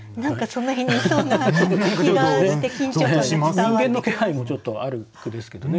人間の気配もちょっとある句ですけどね